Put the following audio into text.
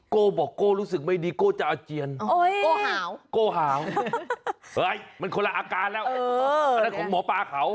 โก้บอกโก้รู้สึกไม่ดีโก้จะอาเจียนโก้หาวโก้หาวมันคนละอาการแล้วอันนั้นของหมอปลาเขา